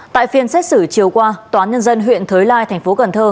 tại phiên xét xử chiều qua tòa nhân dân huyện thới lai thành phố cần thơ